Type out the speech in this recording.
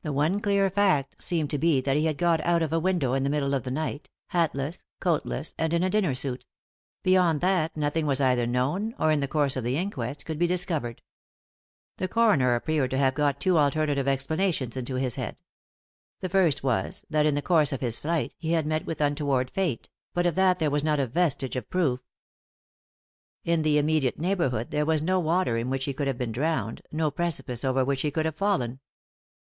The one clear fact seemed to be that he had got out of a window in the middle of the night, hatless, coatless, and in a dinner suit ; beyond that nothing was either known or, in the course of the inquest, could be discovered. The coroner appeared to have got two 50 3i 9 iii^d by Google THE INTERRUPTED KISS alternative explanations into his bead. The first was that, in the course of his flight, he had met with an un toward fete, but of that there was not a vestige of proof. Id the immediate neighbourhood there was no water in which he could have been drowned, no precipice over which he could have fallen.